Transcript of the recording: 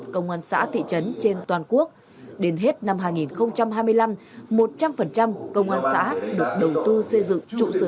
công an xã thị trấn trên toàn quốc đến hết năm hai nghìn hai mươi năm một trăm linh công an xã được đầu tư xây dựng trụ sở